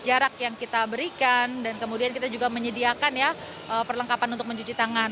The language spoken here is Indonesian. jarak yang kita berikan dan kemudian kita juga menyediakan ya perlengkapan untuk mencuci tangan